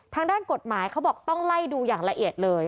ทางด้านกฎหมายเขาบอกต้องไล่ดูอย่างละเอียดเลย